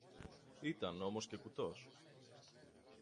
Ήταν όμως και κουτός!